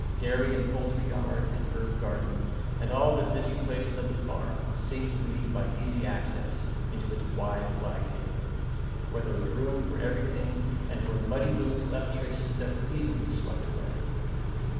Dairy and poultry yard, and herb garden, and all the busy places of the farm seemed to lead by easy access into its wide flagged haven, where there was room for everything and where muddy boots left traces that were easily swept away.